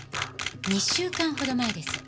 ２週間ほど前です。